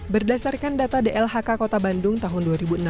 berdasarkan data dlhk kota bandung tahun dua ribu enam belas